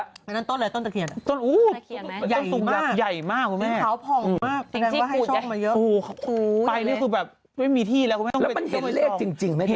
อันนั้นต้นอะไรต้นราเขียตล่ะต้นราเขียตไหม